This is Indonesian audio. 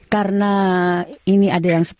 karena ini ada yang